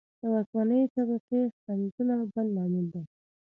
د واکمنې طبقې خنډونه بل لامل دی